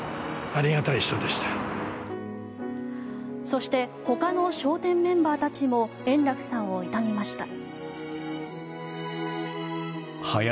そしてほかの「笑点」メンバーたちも円楽さんを悼みました。